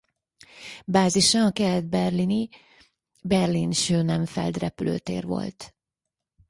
Bázisa a kelet-berlini Berlin-Schönefeld repülőtér volt.